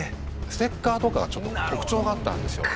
ステッカーとかがちょっと特徴があったんですよ。